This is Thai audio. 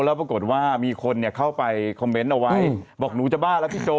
แล้วปรากฏว่ามีคนเข้าไปคอมเมนต์เอาไว้บอกหนูจะบ้าแล้วพี่โจ๊